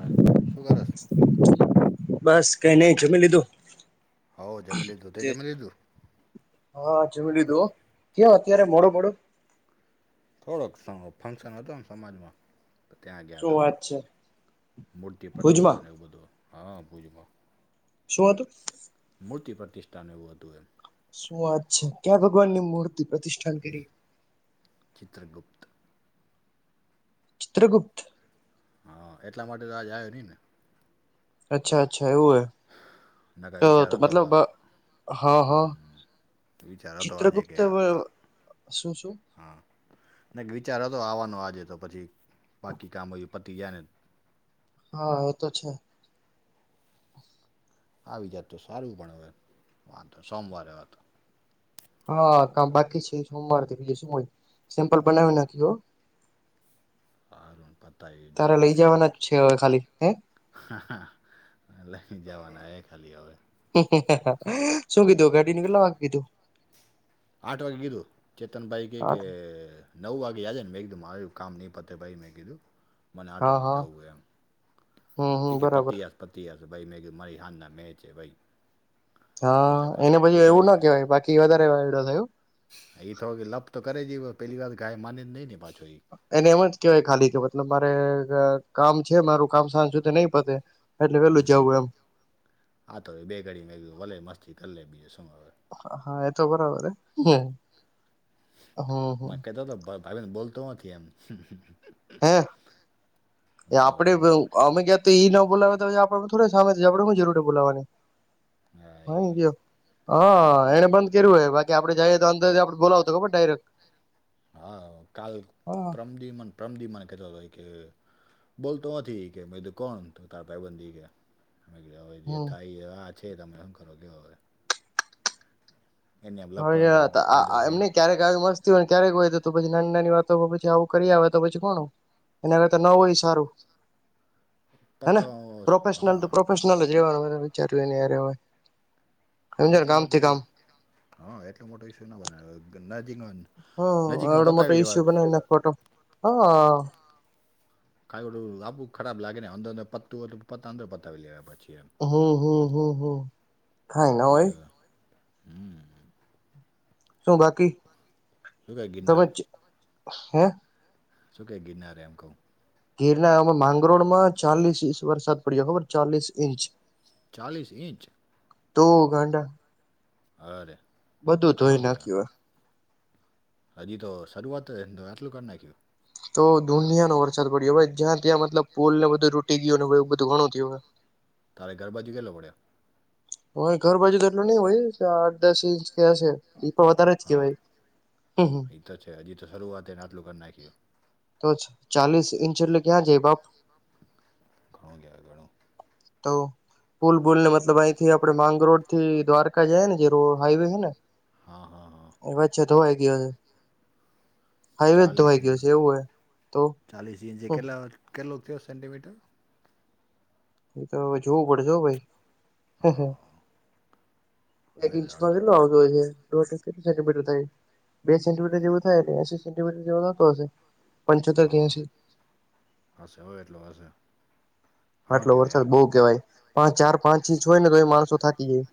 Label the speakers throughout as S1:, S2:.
S1: આ તો શું કરે છે.
S2: બસ કઈ નઈ જમી લીધું.
S1: હો જમી લીધું તે જમી લીધું.
S2: હા જમી લીધું હા કેવ અત્યારે મોડો [unintelligible]
S1: થોડોક [unintelligible] ફંક્શન હતો સમાજમાં. તો ત્યાં ગયા
S2: શું
S1: હતા
S2: વાત છે
S1: મૂર્તિ
S2: ભુજમાં
S1: પ્રતિષ્ઠાન એવું બધું હા ભુજમાં.
S2: શું હતું.
S1: મૂર્તિ પ્રતિષ્ઠાન એવું હતું એમ.
S2: શું વાત છે ક્યાં ભગવાન ની મૂર્તિ પ્રતિષ્ઠાન કરી.
S1: ચિત્રગુપ્ત.
S2: ચિત્રગુપ્ત.
S1: હા એટલા માટે તો આ જ આવ નહી ને.
S2: અચ્છા અચ્છા એવું
S1: નકા
S2: હે
S1: વિચાર
S2: તો
S1: હતો
S2: મતલબ
S1: આ
S2: હા હા.
S1: વિચાર હતો આજે કે
S2: ચિત્રગુપ્ત
S1: આ
S2: શું શું.
S1: હા ન વિચાર હતો આવવાનો આજે તો પછી બાકી કામ હો પતી જાય ને.
S2: હા એ તો છે.
S1: આવી જાતું તો સારું પણ હવે વાંધ સોમવારે વા તો.
S2: હા કામ બાકી છે સોમવારથી બીજે શું હોય સિમ્પલ બનાવી નાખી હો.
S1: સારું પતાવી
S2: તારે લઈ જવાના જ છે હવે ખાલી હે.
S1: હા લઈને જવાના હ ખાલી હવે.
S2: શું કીધું ઘાડીને કેટલા વાક કીધુ
S1: આટો ગીધું ચેતન બઈકી કે
S2: આઠ
S1: નવ વા્યાેયાદ નને મેઘીું મારીું કામ નનીં પત્ર ભાઈ મેગીું મને આઠ
S2: હા
S1: વાગે
S2: હા
S1: જવું
S2: હમ હમ
S1: એમ કે
S2: બરાબર
S1: પતિ પતિ હસ ભાઈ મે મારી હાના મે છે ભાઈ
S2: હા
S1: ભલે ભલે
S2: એને
S1: એ
S2: પછી
S1: તો
S2: એવું ના કેહેવાય બાકી વધારે વાયડો થયુ.
S1: એ તો કે લપ તો કરે છે પેલી વાત ગાય માનીને નહી ને પાછો એ
S2: એને એમ જ કેહવાય ખાલી કે મતલબ મારે કામ છે મારું કામ સાંજું તે નહી પતે એટલે પેલું જવું એમ
S1: હા તો બે ગડી મે ભલે મસ્તી કરી લે બીજે સર
S2: હા એ તો બરાબર હ
S1: કતા તો ભાવી ને બોલતો નથી એમ
S2: હે
S1: તારો
S2: આપડે
S1: ભાઈબંધ બોલ
S2: અમે ક તો ઈ ના બોલાવે તો આપને થો સામે આપણે હ જરૂરી બોલાવાની હા
S1: હ
S2: ગયો હા એને બંધ કરવ્યું હોય બાકી આપડેઈએ તો અંદર આપણે બોલાવતો ખબર ડાયરેક્ટ
S1: હા કાલ
S2: હા
S1: પ્રમદિમન પ્રમદિમન કતો હતોય કે બોલતો નથી કે મું કોણ તારા પાઈબંધી કે હ જે
S2: હમ
S1: થાય આ છે તમે શું કરો દેવ હવે એને એમ લપ કરવાનો કાંઈ ફાયદો
S2: હ
S1: છે નહીં
S2: એમને ક્યારેક મસ્ત ક્યારેક હોય તો પછી નાની નાની વાતો પછી આવું કરી આવેય તો પછી કોણ એગર ન હોય સારું હ
S1: પતાવો
S2: પ્રોફેશનલ
S1: હા
S2: પર્્નલ જ રહેવાનું વિચાર્યું નેયવે
S1: એટલો મોટો ઈ હા એટલો મોટો ઇુ ના બનેજી
S2: હમ એવડો મોટો ઇસ્યુ બનાવી નાખોટો હ
S1: કાુ ખરાબ લાગે ને અંદરંદ પત પ અંદર પતાવી લેવા પછી એમ
S2: હમ હમ હમ હમ થાયના હોય.
S1: હમ્મ
S2: શું બાકી
S1: શું કહે
S2: તમે
S1: ગિરનાર
S2: હે
S1: શું ક ગિનારે એમ ક
S2: ગીરનામાં માંગરોળ માં ચાલીસ ઇંચ વરસાદ પડ્યો ખબર ચાલીસ ઇંચ
S1: ચાલીલીસ ઇંચ
S2: ધ ગાંડા
S1: અરે
S2: બધું
S1: ઘણો
S2: ધોઈ નાખ્યુ
S1: કહેવાય હજી તો શરૂઆત આટલું કરી નાખ્યુ
S2: તો દુનિયા નો વરસાદ પડ્યો હ જ્યા ત્યા મતલબ પોુલ ને બધું રૂટી ગયુ ને એ બધુ ઘણુ થયુ હવે
S1: તારે ગરબાજી કે લવડ્યા
S2: હ ઘર બાજુ દટલું નહી હોય. આઠ દસ ઇંચ કે છેપો વધારે જ
S1: હા
S2: કેવાાઈ હ
S1: એ તો છે હજજી તો શરૂઆત નાટલું કર નાખીયો
S2: તો ચાલીસ ઇંચ એટલે ક્યાં જાય બાપ
S1: ઘણો થાર ઘણો
S2: તો ફૂલ ભૂલ ને મતલબ અહીંથી આપડે માંગરો થી દ્વારકા જ ને જે હાઈવે હ ને
S1: હા હા હા
S2: એ વાછ તોયગ હાઈવેજ
S1: ચાલીસ
S2: ધોવાઈ ગયું
S1: ઇંચ
S2: છે એવું હોય તો હ
S1: કેટલોગ થયો સેન્ટીમીટર
S2: એ તો હવે જોવું પડશે હો ભાઈ હ હ
S1: હા
S2: એક
S1: હશે
S2: ઇંચ
S1: અડધો
S2: પગલો દો હજો હજ કેટ સેન્ટમીટર ત બે સેન્ટીમીટર જેવું થાય એટ એસી સેન્ટીમીટ જેવો થતો હશે પંચોતેર કે
S1: હા
S2: એસી
S1: હશે હોવે એટલો હશે ઘણો
S2: આટલો
S1: કહેવાય યાર
S2: વરસાદ બઉુ કેહેવાય પા ચાર પાંચ ઇંચ હોય ને તો એ માણસો થાકી જાય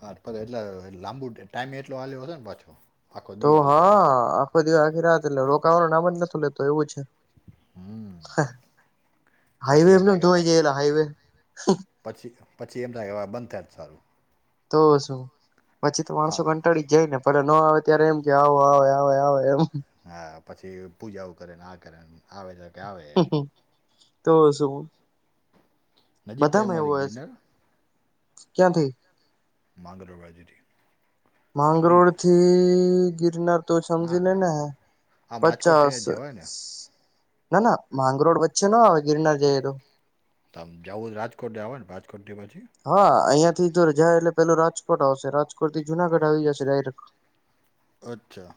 S1: હાછ એટલે લાંબુ ટાઈમે એટલો હ્યોશે ને પાછો આખો
S2: તો
S1: દી હાલ્યો
S2: હા
S1: હશે
S2: આખો દિવસ આખી રહ એટલે રોકાવાનું નામ જ નતું લેતો એવું છે.
S1: હમ
S2: હાઈવે
S1: પછી એમ થાય
S2: એ
S1: કે આ
S2: ધોવાઈ જયેલા હાઈવે
S1: પછી પછી એમના એવા બંધ થાય જ સારુ
S2: તો શું પછી તો માણસો
S1: હા
S2: કંટાળી જ જાય ને ફ ન આવે ત્યારે એમ કે આવો આવે આવે આવે એમ
S1: હા પછી પૂજાઓ કરે ને આ કરેને આવે તો કે આવે
S2: તો શુ
S1: નજીક થાય હું
S2: બધામાં એવું
S1: આથી
S2: હોય છે,
S1: ગિરનાર
S2: ક્યાંથી
S1: માંગ રહો આ જીથી
S2: માંગરોળ થી ગિરનાર તો
S1: ના
S2: સમજી
S1: ના
S2: લેને હ
S1: આમ રાજકોટ
S2: પચાસ
S1: થઈને જ જવાય ને
S2: ના ના માંગરોળ વચ્ચે ન આવે ગિરનાર જઈએ તો
S1: તમે જવું જ રાજકોટ આવેો ને રાજકોટથી પછી
S2: હા અહિયાં થી તો જાય એટલે પેલું રાજકોટ આવશે રાજકોટ થી જુનાગઢ આવી જશે ડાયરેક
S1: અચ્છા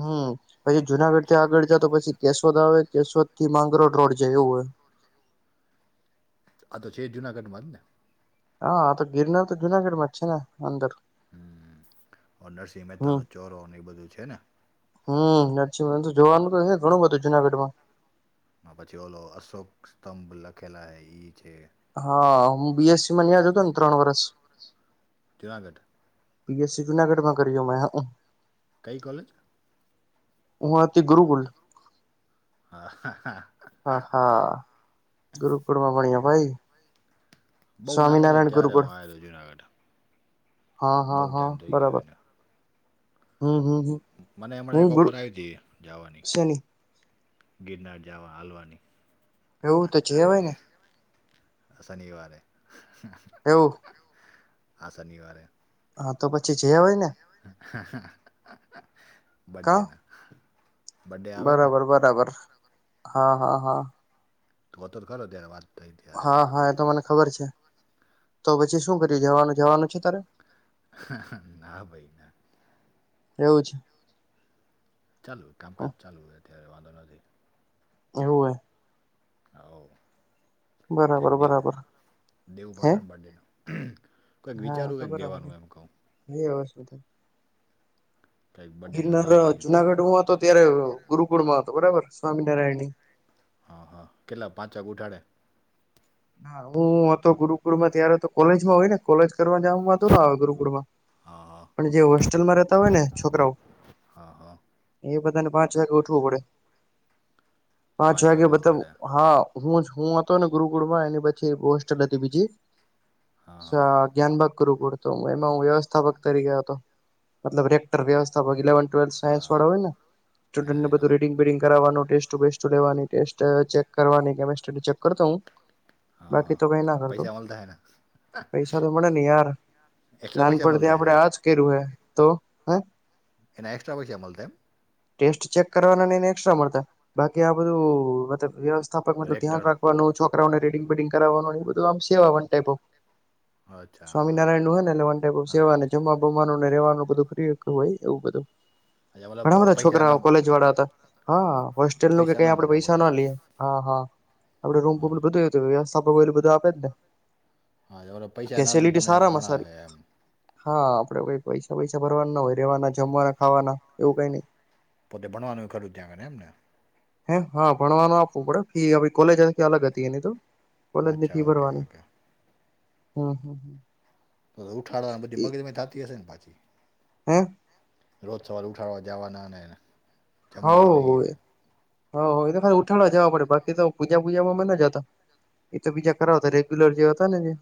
S2: હમ પછી જુનાગઢ થી આગળ જા તો પછી કેશોદ આવે કેશોદ થી માંગરોળ રોડ જવું હોય.
S1: આ તો છે જુનાગઢમાં જ ને
S2: હા તો ગિરનાર તો જુનાગઢમાં જ છે ને અંદર
S1: હમ નરસિંહ મહેતા
S2: હમ
S1: ન ચોરો અને એ બધું છેને.
S2: હમ નરજી તો જોવાનું તો ઘણું હતું જુનાગઢ મા
S1: પછી ઓલો અશોક સ્તંભ લખેલા હૈ ઈ છે.
S2: હા હું બીએસ
S1: ચુનાગઢ
S2: પીએસસી જુનાગઢ માં કરજો મે હ
S1: કઈ કોલેજ
S2: ઓ તે ગુકુલ
S1: હા હા હા
S2: હા હા ગુરુકુળમાં બણ્યા ભાઈ
S1: બઉુ નાનો હતો
S2: સ્વામિનારાયણ
S1: ત્યારે હું
S2: ગુરુકુળ
S1: આલો્યો જુનાગઢ
S2: હા
S1: બહુ
S2: હા હા
S1: ટાઈઇમ થઈ ગયો
S2: બરાબર
S1: એને
S2: હમ હમ હમ
S1: મને એમણે
S2: હું
S1: એક
S2: ગુરુ
S1: ઓફર આવી હતી જવાની
S2: શેની
S1: ગિરનાર જાવા હલવાની
S2: એવું તો જેવાય ને
S1: શનિવાર
S2: એવું
S1: આનીઓાર
S2: હા તો પછી જે હોય ને કા
S1: બડેના
S2: બરાબર બરાબર હા હા હા
S1: તોર કરો ત્યારે વાત- થઈ ત્યારે
S2: હા હા એ તો મને ખબર છે તો પછી શું કર્યું જવાનું જવાનું છે તારે
S1: ના ભાઈને
S2: એવું છે.
S1: ચાલું કામકાજ ચાલું અત્યારે વાંધો નથી.
S2: એવું હ
S1: હ
S2: બરાબર બરાબર
S1: દેવું
S2: હે
S1: પડશે ને બર્થડેનું કંઈક
S2: હા એ
S1: વિચારવું
S2: તો
S1: કંઈક
S2: બરાબર
S1: દેવાનું એમ કહું
S2: [unintelligible]
S1: કંઈક બર્થડેના
S2: ગિરનાર
S1: દઈ દઈએ
S2: જુનાગઢ હું હતો ત્યારે ગુરુકુળ માં હતો બરાબર સ્વામિનારાયણ ની
S1: હા હા કેટલા પાંચ વાગે ઉઠાડે
S2: ના હું હતો ગુરુકુળમાં ત્યારે તો કોલેજમાં હોય ને કોલેજ કરવા જ હતું ને ગુરુકુળમાં
S1: હા હા
S2: પણ જે હોસ્ટેલમાં રહેતા હોય ને છોકરાઓ
S1: હા હા
S2: એ બધાને પાંચ વાગે ઉઠવું પડે પાંચ વાગે બધા હા હું જ હું હતો ને ગુરુકુળમાં એની પછી હોસ્ટલ હતી બીજી
S1: હા
S2: સા જ્ઞાનબગ ગુરુકુળ હતું એમાં હું વ્યવસ્થાપક તરીકે હતો મતલબ રે વ્યવથા ઇલેવન ટ્વેલ્થ
S1: હા
S2: સાઇન્સ વાળા હોય
S1: હા
S2: સ્ટુડન્ટને
S1: એનો
S2: બધું રીડિંગ બિડિંગ કરવાનું ટે- - સ્ટ લેવાની ટેસ્ટ ચેક કરવાની કેમસ્ટ્રી ચેક કરતા હું?
S1: હા
S2: બાકી
S1: હા
S2: તો કઈ
S1: પ-
S2: ના કરતો
S1: પૈસા મળતા એના
S2: પૈસા તો મળે ની યાર
S1: એક્સ્ટ્રા પૈસા
S2: નાનપથી
S1: મળતા
S2: આપડે
S1: એના
S2: આજ કર્યું હે તો હ
S1: એના એક્સ્ટ્રા પૈસા મળતા એમ
S2: ટેસ્ટ ચેક કરવાના ને ને એસ્ટ્રા મળતા બાકી આ બધું અભ્યાસ સ્થાપક
S1: રેક્ટર
S2: ધ્યાન રાખવાનું છોકરાઓને રીડિંગ બિડિંગ કરવાનું બ આમ સેવાન ટપ ઓફ
S1: અચ્છા હા
S2: સ્વામિનારાયણ નું હો ને એટલે વન ટાઈપ ઓફ
S1: હા હા
S2: સેવાને
S1: એ
S2: જમવા જમવાનું ને રવાનું રહેવાનું બધું ફ્રી હતું હોય એવું બધું
S1: અચ્છા મતલબ
S2: ઘણા બધા
S1: પૈસા
S2: છોકરા
S1: ના
S2: કોલેજ વાળા હતા હા હોસ્ટેલ નું કે
S1: પૈસા
S2: કઈ
S1: ના
S2: આપડે
S1: ભરવા
S2: પૈસા
S1: પડે
S2: ના લઈએ. હા હા આપડે
S1: હા
S2: રૂમું બધું વ્યવસ્થા એલું બધું આપે જ ને
S1: હા પૈસા ના લેય ને
S2: ફેસિલિટી
S1: તમને
S2: સારામાં સારી
S1: ભણાવે એમ
S2: હા આપડે કઈ પૈસા પૈસા ભરવાના ના હોય રેવાના જમવાના ખાવાના એવું કઈ નઈ
S1: પોતે ભણવાનું ખરું ત્યાં ખાલી એમને
S2: હે હા ભણવાનું આપવું પડે ફી કોલેજ કે અલગ હતી એની તો કોલેજ ની
S1: અચ્છા
S2: ફી
S1: ઓકે
S2: ભરવાની
S1: ઓકે
S2: હ હ હ
S1: તો ઉઠાડવાને બધી મગજમાં થાતી હશે ને પાછી
S2: હ
S1: રોજ સવાર ઉઠાડવા જવાનાને
S2: હ હોવે હ હો એ તો ખાલી ઉઠાળવા જવા પડે બાકી તો પૂજા પૂજામાં માં ના જાતા એ તો બીજા કરાવતા રે - - લર જે હતા ને જે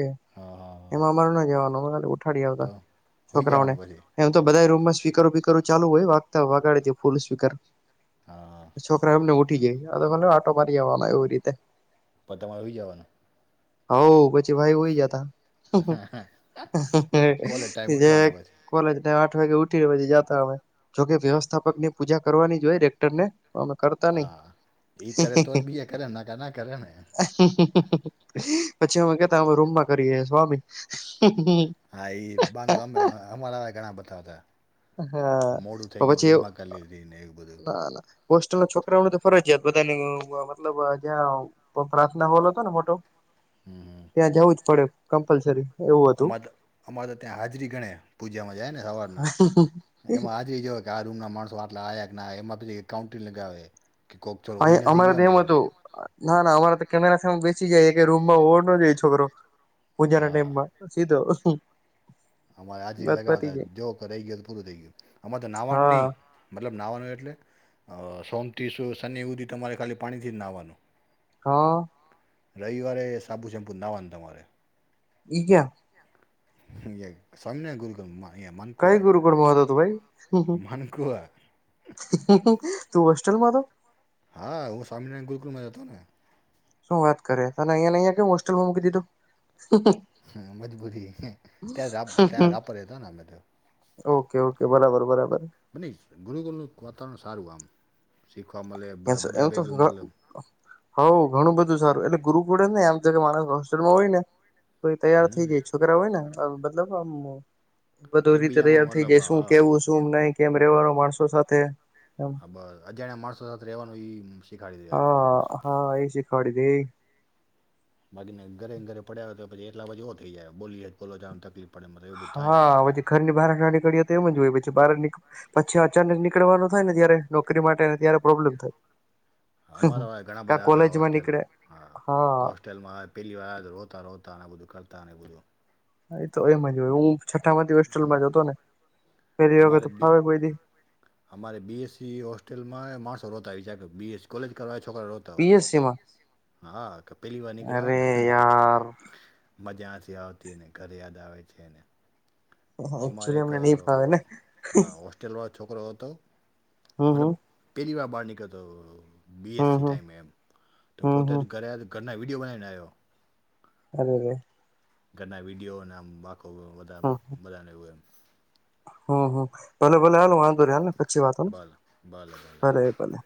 S2: એ
S1: હા હા હા
S2: એમાં અમારો ના જવાનુ ઠાડી
S1: તો
S2: આવતા
S1: હોઈ
S2: છોકરાઓને
S1: જવાનું પછી
S2: એમ તો બધા રૂમમાં સ્પીર બીકર ચાલુ હોય વાગતા વાગાડી ડદેય ફૂલ સ્પીકર
S1: હા.
S2: છોકરા એમને ઉઠી જાય ભા આટો મારી આવાનો એવી રીતે
S1: પણ તમારે રહી જવાનું.
S2: હ પછી ભાઈ હોય જતા
S1: કોલેજ ટાઈમ ઉઠવાનું
S2: જે-
S1: પછી
S2: - કોલેને આઠ વાગે ઉઠી જતા હ જોકે વ્યવસ્થાપક ની પૂજા કરવાની જો હોય ડેક્ટર ને અમે કરતા નઈ
S1: હા એ કરે તો જ બીજા કરે ને, ના ના કરે ને
S2: પછી અમે કેતા અમે રૂમમાં કરીએ સ્વામી
S1: હા એ બાનું અમે અમારા ઘણા બધા હતા. મોડું થઈ
S2: હા પછી
S1: [unintelligible] ને એવું બધું
S2: હોસ્ટલ ના છોકરાઓને તો ફરજયાત બધા મતલબ જ્યાં પ્રાર્થના બોલો હતો ને મોટો
S1: હમ હમ.
S2: ત્યાં જવું જ પડે કમ્પલસરી એવું હતું
S1: અમારે તો અમારે તો ત્યાં હાજરી ગણે પૂજામાં જાય ને હવારના એમાં હાજરી જવા કે આ રૂંમના માણસો આટલા આવ્યા કે એમાંથી કાઉન્ટિંગ લગાવે કે કોકચો
S2: અ
S1: હોઈ નથી
S2: અમારે
S1: ગયો
S2: તો
S1: ને એમ
S2: હતું ના ના અમારા તો કેમેરાેમે બેસી જાય કે રૂમમાં ઓ ન જાય છોકરો પૂજા ના
S1: હા
S2: ટાઈમ માં સીધો
S1: અમારે હજરી
S2: વાત
S1: લગાવતા
S2: પતી જાય
S1: જો રહી ગયો તો પૂરું થઈ ગયું અમારે તો નાવાનું
S2: હા
S1: નહી મતલબ નહવાનું એટલે અહ સોમથીસ શનિ સુધી તમારે ખાલી પાણીથી જ નહાવાનું.
S2: હા.
S1: રવિવારે સાપુ શેમ્પુ ને નાહવાનું તમારે.
S2: ઈ ક્યા?
S1: અહીંયા સ્વામિનારાયા ગુરુકુળ માં.
S2: કઈ ગુરુકુળ માં હતો તુ ભાઈ?
S1: મનખો હૈ.
S2: તું હોસ્ટેલમાં હતો?
S1: હા હું સ્વામીનારાયણ ગુલકુળ માં હતો ને.
S2: શું વાત કરે તને અહિયા ને અહિયા કેમ હોસ્ટેલમાં મૂકી દીધું?
S1: હ મજબૂરી ત્યા ત્યાં રાપ તા રાપ માં રેહતો ને અમે તો.
S2: ઓકે ઓકે બરાબર બરાબર.
S1: આ ની ગુરુકુલનું વાતાવરણ સારું આમ શીખવા મલે
S2: એમ
S1: બ-બધા
S2: તો
S1: ભેગા મતલબ
S2: હઉ ઘણું બધું સારું એટલે ગુરુકળે ને આમ માણસ હોસ્ટેલમાં હોય ને કોઈ તૈયાર થઈ
S1: હમ
S2: જાય છોકરા હોય ને આ મતલબ આમ બધું રીતે
S1: એકબીજામાં
S2: તૈયાર થઇ
S1: મતલબ
S2: જાય શું
S1: હા
S2: કેવું શું નહી કેમ રેવાનો માણસો સાથે
S1: બસ અજાણ્યા માણસો સાથે રહેવાનું શીખાડી ડદે આપણને મસ્ત.
S2: ખોડી દે.
S1: બાકીને ઘરે ઘરે પડ્યા તો પછી એટલા બાજી થઈ જાય બોલી જ બોલો તકલીફ. પડે મતલબ એવું બધું થાય
S2: હા
S1: મતલબ એમ
S2: હછી ઘરની બહાર ના નીકળી્યા તો એમ જ હોય પછી બહાર ની પછી અચાનક નીકળવાનું થાય ને જયારે નોકરી માટેને ત્યારે પ્રોબ્લેમ થાય.
S1: હા, અમારા વા ઘણા
S2: કા
S1: બધા હતા
S2: કોલેજમાં
S1: હોસ્ટેલ
S2: નીકળે
S1: હા કો ટેટલમાં આવે પહેલી વા રોતા રોતા અને બધું કરતા ને બધું
S2: હ તો એમ જ હોય હું છઠ્ઠા માંથી હોસ્ટેલમાં જતો ને પેલી વખત ફાવે કોઈ દી
S1: અમારે બી એસ સી હોસ્ટેલમાં માણસો રોતા આવી જ કે બી એસ સી કોલેજ કરવા છોકરા રો તા હોય
S2: પીએસસી માં
S1: હા કે પહેલી વાર નીકળ્યા
S2: અરે
S1: હોયને.
S2: યાર
S1: મજાથી આવતી ને ઘર યાદ આવે છેને. અમારે
S2: એકચુલી
S1: એક
S2: અમને
S1: અહ
S2: નહી ફાવે ને
S1: હા હો ટલ ના છોકરો હતો
S2: હમ
S1: મતલબ
S2: હમ
S1: પહેરીલી વાર બહાર નીકળતો હતો બી એસ
S2: હમ
S1: સી
S2: હમ
S1: ટાઈમે વયમ તો
S2: હમ
S1: પોતે
S2: હમ
S1: ઘરે ઘરના વિડીયો બનાવીવને આવ્યો
S2: આ બોલે.
S1: ઘરના વિડીયોને આમ આખો બધા બધાને મલા ને એમ.
S2: હા હા ભલે ભોલે હાલો વાંધો નહીં હૈ ને પછી વાતોને ભલે એ ભલે.